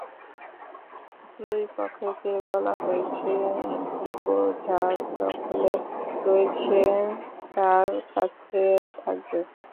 দুই পক্ষকে বলা হয়েছে ডিপো যাঁর দখলে রয়েছে তাঁর কাছে থাকবে।